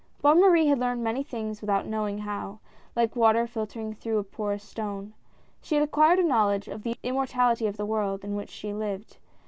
Bonne Marie had learned many things, without knowing^ how, like water filtering through a porous stone. She had acquired a knowledge of the immor ality of the world in which she lived.